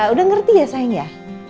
udah ngerti ya sayang ya